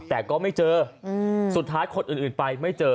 แต่ก็ไม่เจอสุดท้ายคนอื่นไปไม่เจอ